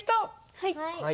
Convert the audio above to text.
はい。